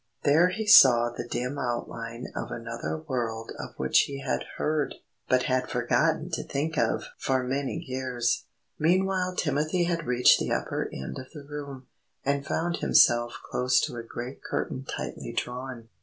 There he saw the dim outline of another world of which he had heard, but had forgotten to think of for many years. Meanwhile Timothy had reached the upper end of the room, and found himself close to a great curtain tightly drawn.